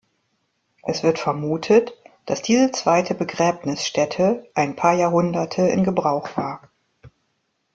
Es wird vermutet, dass diese zweite Begräbnisstätte ein paar Jahrhunderte in Gebrauch war.